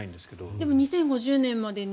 でも２０５０年までに。